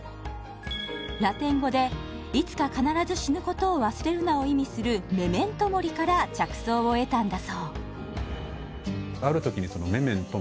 ラテン語で「いつか必ず死ぬことを忘れるな」を意味する「メメント・モリ」から着想を得たんだ